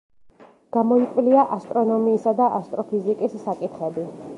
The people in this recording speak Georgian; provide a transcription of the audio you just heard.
გამოიკვლია ასტრონომიისა და ასტროფიზიკის საკითხები.